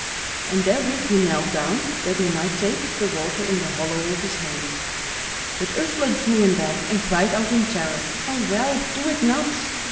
And therewith he knelt down that he might take of the water in the hollow of his hand. But Ursula drew him back, and cried out in terror: "O Ralph, do it not!